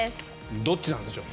どっちなんでしょう。